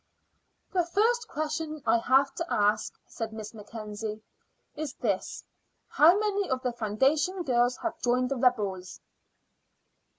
"The first question I have to ask," said Miss Mackenzie, "is this: How many of the foundation girls have joined the rebels?"